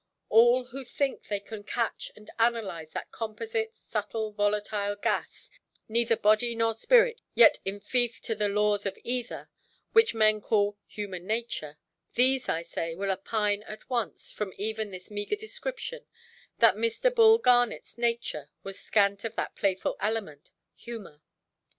All who think they can catch and analyze that composite, subtle, volatile gas—neither body nor spirit, yet in fief to the laws of either—which men call "human nature", these, I say, will opine at once, from even this meagre description, that Mr. Bull Garnetʼs nature was scant of that playful element, humour.